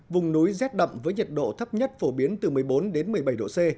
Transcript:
vùng núi rét đậm với nhiệt độ thấp nhất phổ biến từ một mươi bốn đến một mươi bảy độ c